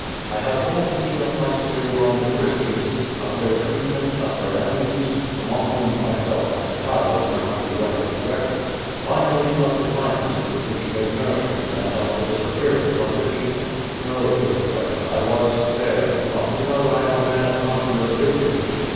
1 have told thee of my stay among the (Chris tians, of their treatment, of their enemies, among whom my self and Chilo might be rightly reckoned, finally, of the kind ness with which they nursed me and of the disappearance of Lygia. No, dear friend, 1 was spared, not because 1 am a man of consular dignity.